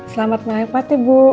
selamat malam pati bu